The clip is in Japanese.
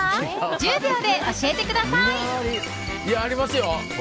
１０秒で教えてください！ありますよ。